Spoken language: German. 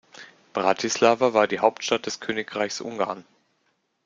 Bratislava war die Hauptstadt des Königreichs Ungarn.